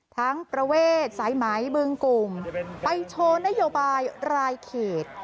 ประเวทสายไหมบึงกลุ่มไปโชว์นโยบายรายเขต